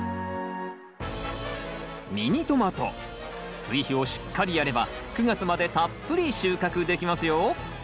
ミニトマト追肥をしっかりやれば９月までたっぷり収穫できますよ！